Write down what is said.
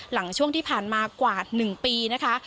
หลังช่วงที่ผ่านมากว่า๑ปีนะคะ